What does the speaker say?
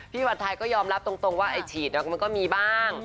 วันไทยก็ยอมรับตรงว่าไอ้ฉีดมันก็มีบ้าง